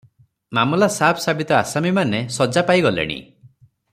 ମାମଲା ସାଫ ସାବିତ ଆସାମୀମାନେ ସଜା ପାଇ ଗଲେଣି ।